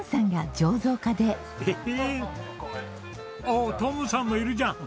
おおっトムさんもいるじゃん！